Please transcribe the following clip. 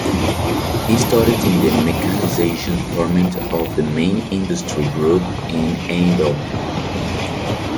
He started in the mechanization department of the Main Industry Group in Eindhoven.